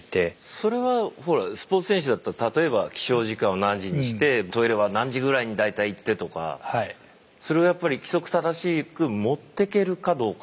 それはほらスポーツ選手だったら例えば起床時間を何時にしてトイレは何時ぐらいに大体行ってとかそれをやっぱり規則正しく持ってけるかどうか。